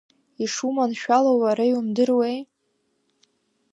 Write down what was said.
Ишуманшәалоу уара иумдыруеи?